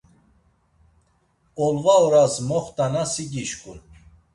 Olva oras moxt̆ana si gişǩun.